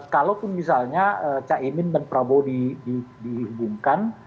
kalaupun misalnya caimin dan prabowo dihubungkan